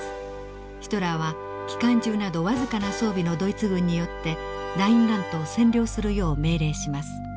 ヒトラーは機関銃など僅かな装備のドイツ軍によってラインラントを占領するよう命令します。